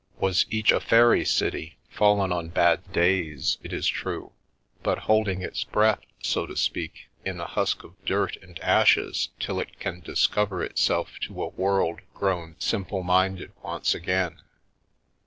was each a fairy city, fallen on bad days, it is true, but holding its breath, so to speak, in a husk of dirt and ashes till it can discover itself to a world grown simple minded once again.